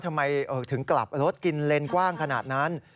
ทำไมถึงกลับรถกินเลนกว้างขนาดนั้น